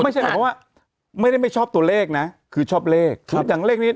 ไม่ใช่แบบว่าไม่ได้ไม่ชอบตัวเลขน่ะคือชอบเลขครับอย่างเลขนี้